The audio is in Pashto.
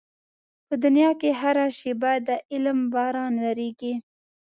په دنيا کې هره شېبه د علم باران ورېږي.